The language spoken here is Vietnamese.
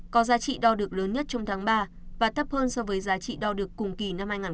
có giá trị đo được lớn nhất trong tháng ba và thấp hơn so với giá trị đo được cùng kỳ năm hai nghìn hai mươi ba